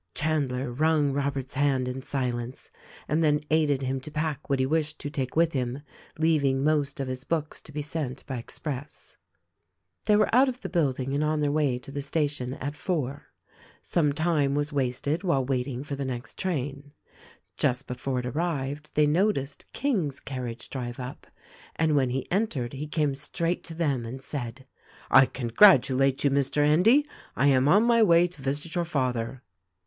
Chandler wrung Robert's hand in silence and then aided him to pack what he wished to take with him — leaving most of his books to be sent by express. They were out of the building and on their way to the station at four. Some time was wasted while waiting for the next train. Just before it arrived they noticed King's car riage drive up, and when he entered he came straight to them and said: "I congratulate you, Mr. Endy. I am on my way to visit your father."